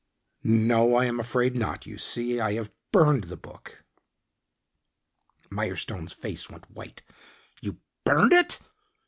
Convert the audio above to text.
"No, I am afraid not. You see, I have burned the book." Mirestone's face went white. "You burned it?"